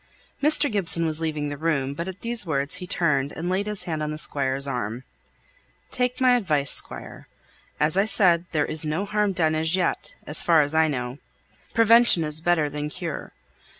Mr. Gibson was leaving the room, but at these words he turned and laid his hand on the Squire's arm. "Take my advice, Squire. As I said, there's no harm done as yet, as far as I know. Prevention is better than cure.